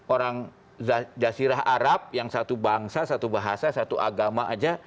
orang jasirah arab yang satu bangsa satu bahasa satu agama saja